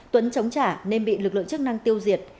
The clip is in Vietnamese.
tuấn chống trả nên bị lực lượng chức năng tiêu diệt